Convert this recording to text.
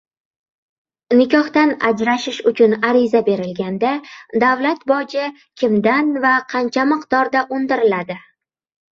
Nikohdan ajrashish uchun ariza berilganda davlat boji kimdan va qancha miqdorda undiriladi?